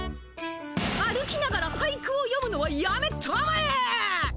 歩きながら俳句をよむのはやめたまえ！